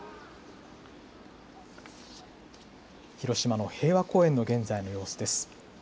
広島の平和公園の現在の様子です。